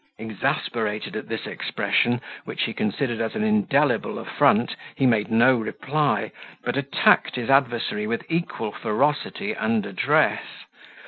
Exasperated at this expression, which he considered as an indelible affront, he made no reply, but attacked his adversary with equal ferocity and address.